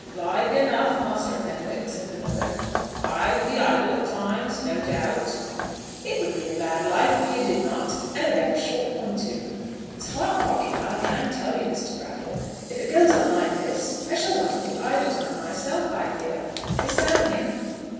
] "Like enough, Muster Fenwick," said the miller; "I be idle at times, no doubt." "It would be a bad life if you did not, and a very short one too. It's hot walking, I can tell you, Mr. Brattle. If it goes on like this, I shall want a little idle time myself, I fear. Is Sam here?"